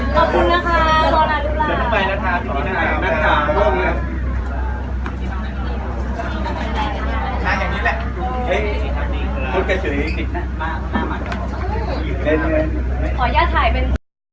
ขอบคุณมากที่รักอย่างแบบนี้มาตลอดเวลาที่ได้สุดในวัน